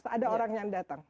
ada orang yang datang